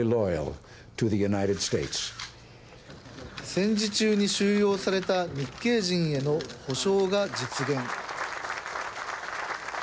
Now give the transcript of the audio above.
戦時中に収容された日系人への補償が実現。